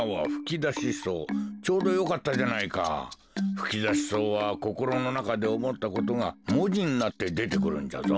ふきだし草はこころのなかでおもったことがもじになってでてくるんじゃぞ。